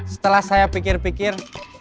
setelah saya pikir pikir